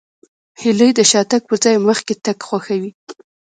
هیلۍ د شاتګ پر ځای مخکې تګ خوښوي